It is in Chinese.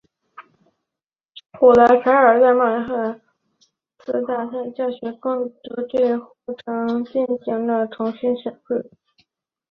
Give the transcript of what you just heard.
古德柴尔德在麦克马斯特大学攻读博士时对护城洞进行了重新审视。